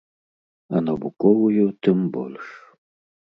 А навуковую тым больш.